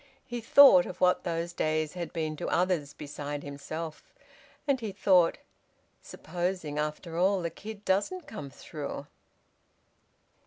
He thought of what those days had been to others beside himself. And he thought: "Supposing after all the kid doesn't come through?"